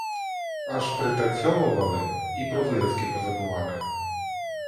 Аж пританцьовували і про виразки позабували.